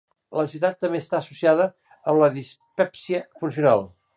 L'ansietat també està associada amb la dispèpsia funcional.